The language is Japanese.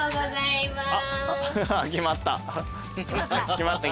決まった。